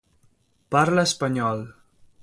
Parla espanyol.